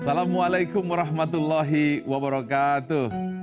assalamualaikum warahmatullahi wabarakatuh